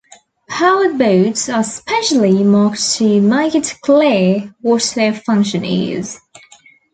Pilot boats are specially marked to make it clear what their function is.